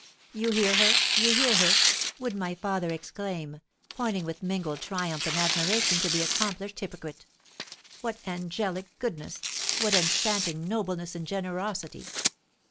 'You hear her! you hear her!' would my father exclaim, pointing with mingled triumph and admiration to the accomplished hypocrite; 'what angelic goodness! what enchanting nobleness and generosity!